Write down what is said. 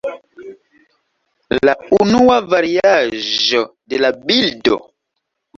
La unua variaĵo de la bildo.